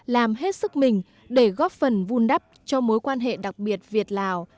làm hết sức mình để góp phần vun đắp cho mối quan hệ đặc biệt việt lào